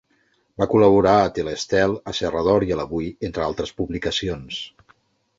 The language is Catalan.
Va col·laborar a Tele-Estel, a Serra d'Or i a l'Avui, entre altres publicacions.